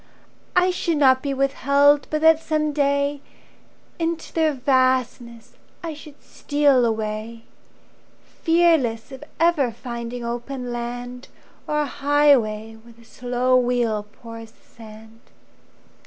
I should not be withheld but that some day Into their vastness I should steal away, Fearless of ever finding open land, Or highway where the slow wheel pours the sand.